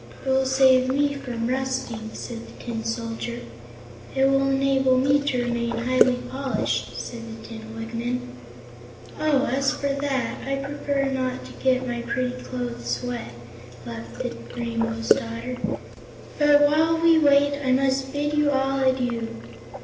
"It will save me from rusting," said the Tin Soldier. "It will enable me to remain highly polished," said the Tin Woodman. "Oh, as for that, I myself prefer not to get my pretty clothes wet," laughed the Rainbow's daughter. "But while we wait I will bid you all adieu.